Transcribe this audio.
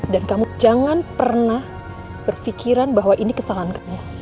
dan kamu jangan pernah berpikiran bahwa ini kesalahan kamu